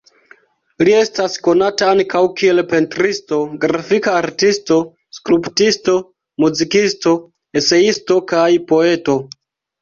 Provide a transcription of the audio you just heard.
Li estas konata ankaŭ kiel pentristo, grafika artisto, skulptisto, muzikisto, eseisto kaj poeto.